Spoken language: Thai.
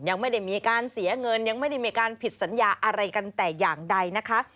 ยังไม่ได้มีการเสียเงินยังไม่ได้มีการผิดสัญญาอะไรกันแต่อย่างใดนะคะ